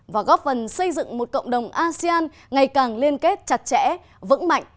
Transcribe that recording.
và góp phần xây dựng một cộng đồng asean ngày càng liên kết chặt chẽ vững mạnh